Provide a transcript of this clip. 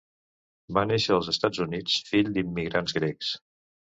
Va néixer als Estats Units, fill d'immigrants grecs.